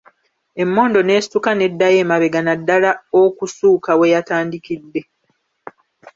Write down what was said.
Emmondo n'esituka n'eddayo emabega ddala okusuuka weyatandikidde.